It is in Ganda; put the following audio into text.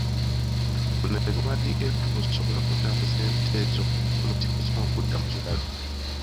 Funa ebiwandiiko ebituufu osobole okutambuza ente zo okuva mu kifo ekimu okudda mu kirala.